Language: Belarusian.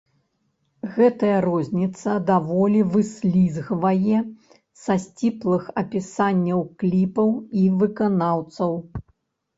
Гэтая розніца даволі выслізгвае са сціслых апісанняў кліпаў і выканаўцаў.